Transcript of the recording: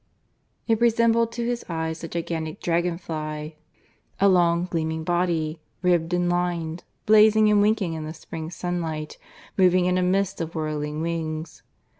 It resembled to his eyes a gigantic dragon fly a long gleaming body, ribbed and lined, blazing and winking in the spring sunlight, moving in a mist of whirling wings.